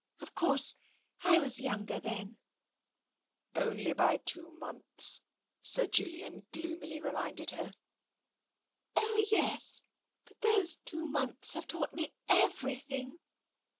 Of course, I was younger, then." " Only by two months," Sir Julian gloomily re minded her. " Oh, yes, but those two months have taught me everything.